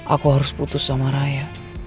aku harus putus sama raya